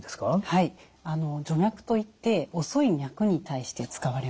はい徐脈といって遅い脈に対して使われます。